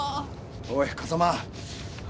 おい風真！